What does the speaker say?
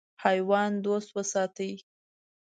حیوان دوست وساتئ.